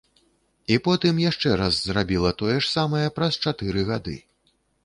І потым яшчэ раз зрабіла тое ж самае праз чатыры гады.